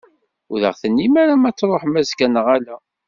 Ur aɣ-d-tennim ara ma ad d-truḥem azekka neɣ ala?